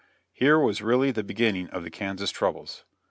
Here was really the beginning of the Kansas troubles.